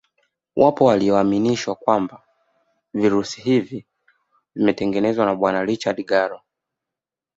Wapo walioaminishwa kwamba virusi hivi vimetengenezwa na Bwana Richard Gallo